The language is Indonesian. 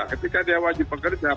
ketika dia wajib bekerja